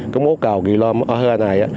cái mố cầu kỳ lam ở hơi này